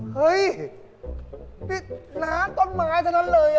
เฮ้ยนี่น้ำต้นไม้ทั้งนั้นเลย